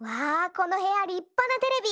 このへやりっぱなテレビ。